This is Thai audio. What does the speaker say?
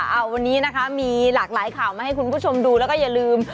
เอาวันนี้นะคะมีหลากหลายข่าวมาให้คุณผู้ชมดูแล้วก็อย่าลืม